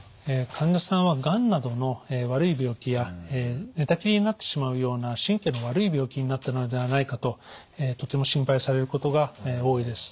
患者さんはがんなどの悪い病気や寝たきりになってしまうような神経の悪い病気になったのではないかととても心配されることが多いです。